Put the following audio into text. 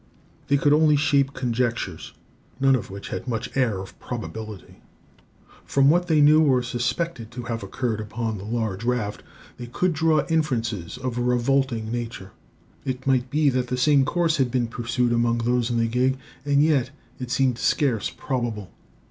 They could only shape conjectures, none of which had much air of probability. From what they knew or suspected to have occurred upon the large raft they could draw inferences of a revolting nature. It might be that the same course had been pursued among those in the gig; and yet it seemed scarce probable.